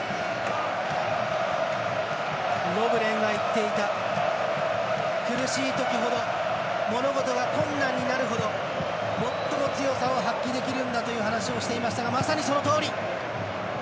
ロブレンが言っていた苦しいときほど物事が困難になるほど最も強さを発揮できるんだという話をしていましたがまさにそのとおり！